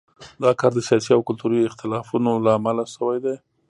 دا کار د سیاسي او کلتوري اختلافونو له امله شوی دی.